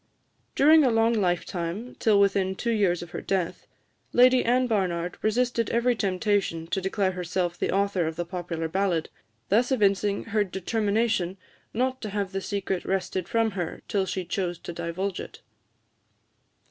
During a long lifetime, till within two years of her death, Lady Anne Barnard resisted every temptation to declare herself the author of the popular ballad, thus evincing her determination not to have the secret wrested from her till she chose to divulge it.